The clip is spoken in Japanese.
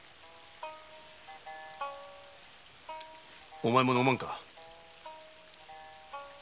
お前も飲まんか？